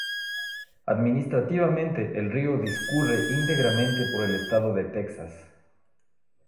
Administrativamente, el río discurre íntegramente por el estado de Texas.